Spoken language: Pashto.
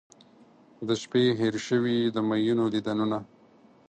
د شپې هیر شوي د میینو دیدنونه